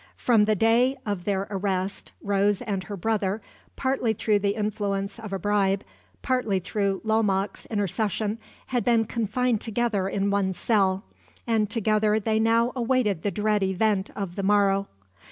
From the day of their arrest, Rose and her brother, partly through the influence of a bribe, partly through Lomaque's intercession, had been confined together in one cell; and together they now awaited the dread event of the morrow.